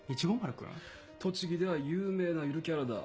栃木では有名なゆるキャラだ。